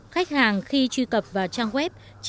khách hàng khi truy cập vào trang web